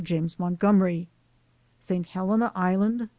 James Montgomery. ST. HELENA ISLAND, S.